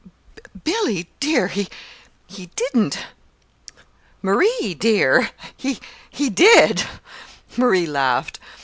"Billy, dear, he he didn't!" "Marie, dear he he did!" Marie laughed.